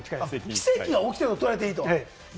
奇跡が起きてると言っていい。